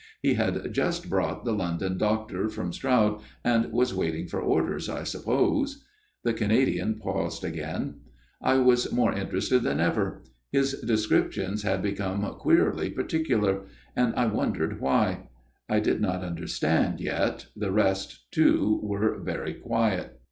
He had just brought the London doctor from Stroud and was waiting for orders, I suppose." The Canadian paused again. I was more interested than ever.^His descrip tions had become queerly particular ; and I 162 A MIRROR OF SHALOTT wondered why. I did not understand yet. The rest too were very quiet.